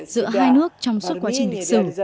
giữa hai nước trong suốt quá trình lịch sử